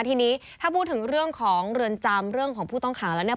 ทีนี้ถ้าพูดถึงเรื่องของเรือนจำเรื่องของผู้ต้องขังแล้วเนี่ย